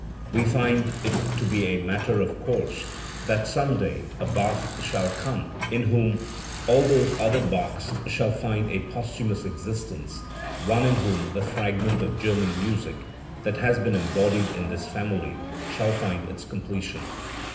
We feel it to be a matter of course that some day a Bach shall come in whom all those, other Baohs shall find a posthumous existence, one in whom the fragment of German music that has been embodied in this family shall find its completion.